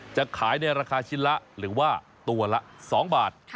จะขายในราคาชิ้นละหรือว่าตัวละ๒บาท